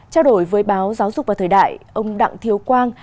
trao đổi với báo giáo dục và thời đại ông đặng thiếu quang